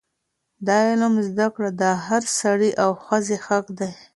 د علم زده کړه د هر سړي او ښځې حق دی.